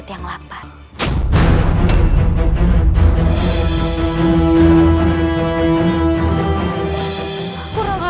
dalam keadaan yang teruk